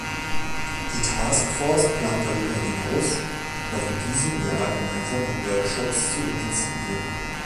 Die Taskforce plant darüber hinaus, noch in diesem Jahr gemeinsame Workshops zu initiieren.